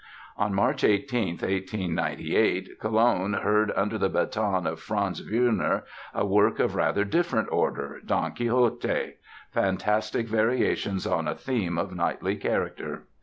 On March 18, 1898, Cologne heard under the baton of Franz Wüllner, a work of rather different order, Don Quixote, Fantastic Variations on a Theme of Knightly Character.